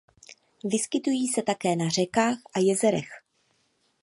Vyskytují se také na řekách a jezerech.